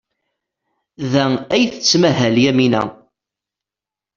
Da ay tettmahal Yamina?